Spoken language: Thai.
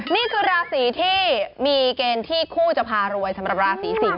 นี่คือราศีที่มีเกณฑ์ที่คู่จะพารวยสำหรับราศีสิง